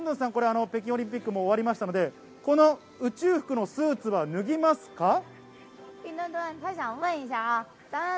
ビンドゥンドゥンさん、北京オリンピックも終わりましたので宇宙服のスーツは脱ぎますか？